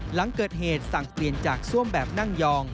หลังเกิดเหตุสั่งเปลี่ยนจากซ่วมแบบนั่งยอง